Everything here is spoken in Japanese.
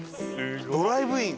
ドライブイン？